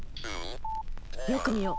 よく見よう。